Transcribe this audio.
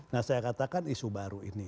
nah saya katakan isu baru ini